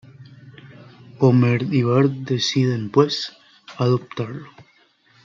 Homer y Bart deciden, pues, adoptarlo.